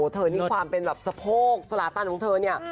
เธอมีความสะโพกสละตันของเธอเนี่ย